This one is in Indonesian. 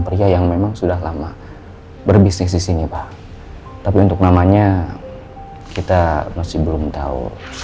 pria yang memang sudah lama berbisnis di sini pak tapi untuk namanya kita masih belum tahu